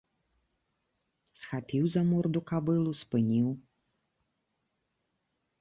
Схапіў за морду кабылу, спыніў.